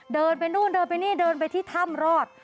เดินไปนู่นเดินไปนี่เดินไปที่ถ้ำรอด